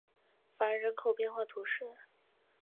凡人口变化图示